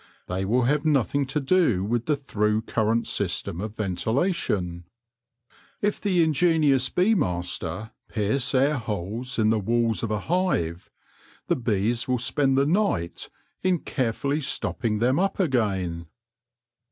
They will have nothing to do with the through current system of ventilation 9 If the ingenious bee master pierce air holes in the 64 THE LORE OF THE HONEY BEE walls of a hive, the bees will spend the night in care fully stopping them up again.